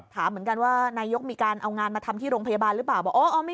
ถามเหมือนกันว่านายกมีการเอางานมาทำที่โรงพยาบาลหรือเปล่า